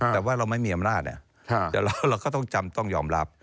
แต่ว่าเราไม่มีอำนาจแต่เราก็ต้องจำต้องยอมรับ